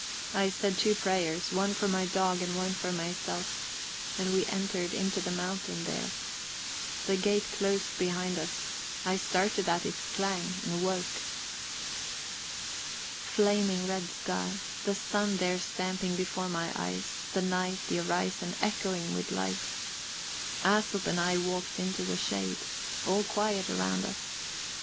I said two prayers, one for my dog and one for myself, and we entered into the mountain there. The gate closed behind us; I started at its clang, and woke. Flaming red sky, the sun there stamping before my eyes; the night, the horizon, echoing with light. Æsop and I moved into the shade. All quiet around us.